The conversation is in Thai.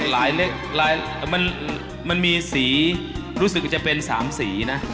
เล็กมันมีสีรู้สึกจะเป็น๓สีนะ